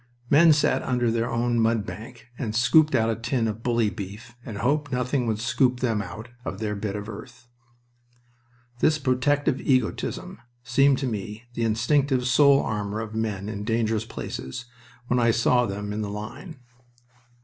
Men sat under their own mud bank and scooped out a tin of bully beef and hoped nothing would scoop them out of their bit of earth. This protective egotism seemed to me the instinctive soul armor of men in dangerous places when I saw them in the line.